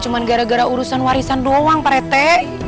cuma gara gara urusan warisan doang pak retek